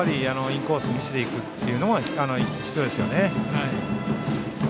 インコース見せていくのも必要ですね。